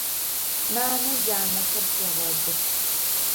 Нанэ джанэхэр тегъэдых.